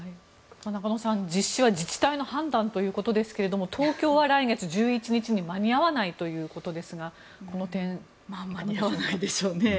中野さん、実施は自治体の判断ということですが東京は来月１１日に間に合わないということですが間に合わないでしょうね。